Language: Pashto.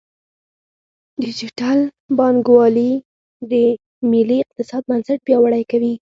ډیجیټل بانکوالي د ملي اقتصاد بنسټ پیاوړی کوي.